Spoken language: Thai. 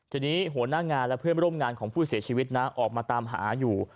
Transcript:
ทีนี้หัวหน้างานและเพื่อนร่วมงานของผู้เสียชีวิตนะออกมาตามหาอยู่